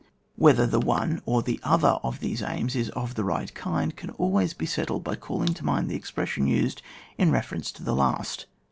Whether the one or the other of these aims is of the right kind, can always be settled by calling to mind the expression used in reference to the last.